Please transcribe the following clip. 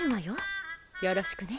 よろしくね。